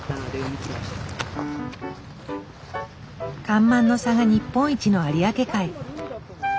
干満の差が日本一の有明海。